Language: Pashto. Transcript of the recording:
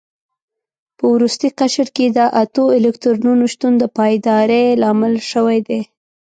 په وروستي قشر کې د اتو الکترونونو شتون د پایداري لامل شوی دی.